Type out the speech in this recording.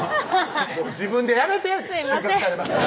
自分でやめて「収穫されました」